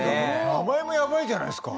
名前もやばいじゃないですか。